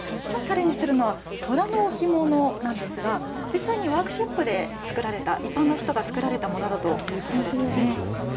きょうチャレンジするのは虎の置き物なんですが、実際にワークショップで作られた、一般の人が作られたものだということですよね。